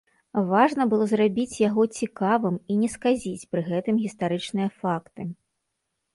Важна было зрабіць яго цікавым і не сказіць пры гэтым гістарычныя факты.